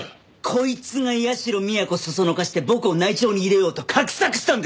こいつが社美彌子唆して僕を内調に入れようと画策したんです！